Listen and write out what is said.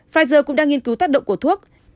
pfizer cũng đang nghiên cứu tác động của thuốc